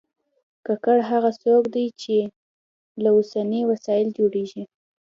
ګګر هغه څوک دی چې له اوسپنې وسایل جوړوي